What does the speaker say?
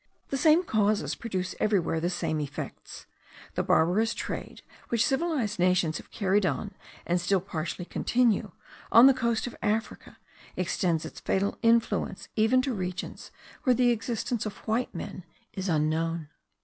The same causes produce everywhere the same effects. The barbarous trade which civilized nations have carried on, and still partially continue, on the coast of Africa, extends its fatal influence even to regions where the existence of white men is unknown.